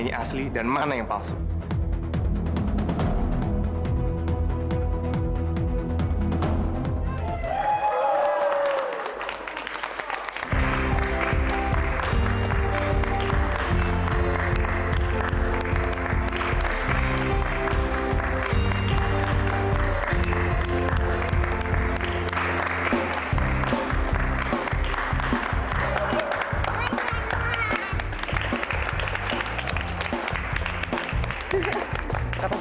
hanya ada yang sanggup mengangkat sepeda suara bayi